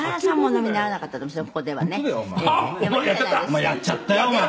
「お前やっちゃったよお前」